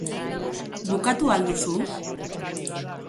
Bukatu al duzu?